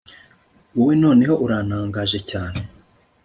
wowe noneho uranangaje cyane